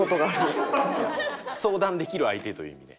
相談できる相手という意味で。